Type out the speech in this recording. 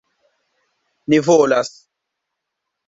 Ni volas.